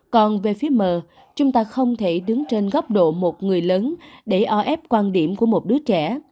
còn về phía mờ chúng ta không thể đứng trên góc độ một người lớn để o ép quan điểm của một đứa trẻ